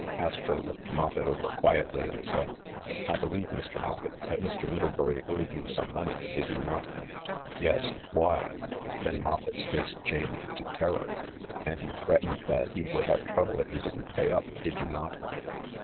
Astro looked Moffett over quietly and said. "I be lieve, Mr. Moffett, that Mr. Middlebury owed you some money, did he not?" "Yes— why?" Then Moffett's face changed to ter ror. "And you threatened that he would have trouble if he didn't pay up, did you not